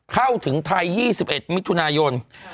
เข้าถึงไทย๒๑มิถุนายน